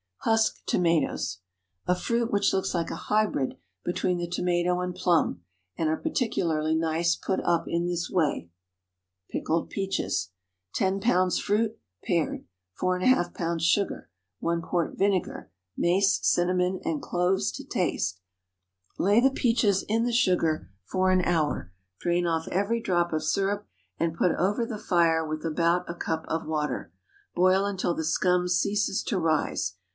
Husk tomatoes—a fruit which looks like a hybrid between the tomato and plum—are particularly nice put up in this way. PICKLED PEACHES. 10 lbs. fruit—pared. 4½ lbs. sugar. 1 quart vinegar. Mace, cinnamon, and cloves to taste. Lay the peaches in the sugar for an hour; drain off every drop of syrup, and put over the fire with about a cup of water. Boil until the scum ceases to rise.